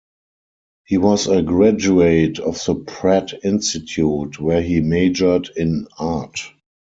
He was a graduate of the Pratt Institute, where he majored in Art.